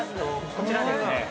◆こちらですね